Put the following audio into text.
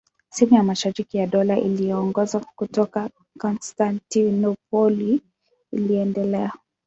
Sehemu ya mashariki ya Dola iliyoongozwa kutoka Konstantinopoli iliendelea.